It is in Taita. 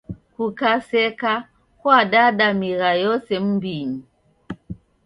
Kukaseka kwaadada migha yose m'mbinyi.